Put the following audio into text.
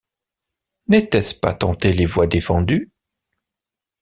N’était-ce pas tenter les voies défendues?